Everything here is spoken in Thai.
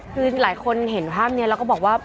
คือหลายคนเห็นภาพนี้แล้วก็บอกว่า